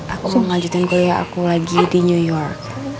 aku mau melanjutkan kuliah aku lagi di new york